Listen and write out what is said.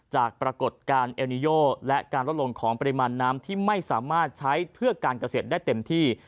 ปรากฏการณ์เอลนิโยและการลดลงของปริมาณน้ำที่ไม่สามารถใช้เพื่อการเกษตรได้เต็มที่